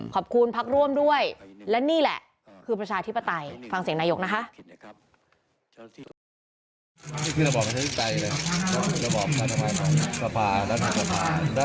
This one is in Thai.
ขอบคุณพักร่วมด้วยและนี่แหละคือประชาธิปไตยฟังเสียงนายกนะคะ